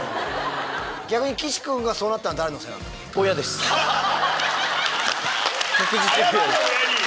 逆に岸君がそうなったの誰のせいなんだっけ？